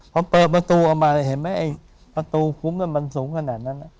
พอเปิดประตูออกมาเห็นไหมไอ้ประตูคุ้มมันสูงขนาดนั้น